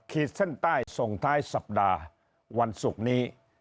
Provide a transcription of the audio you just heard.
ขีดเส้นใต้ส่งท้ายสัปดาห์วันศุกร์นี้